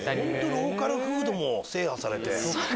ローカルフードも制覇されて。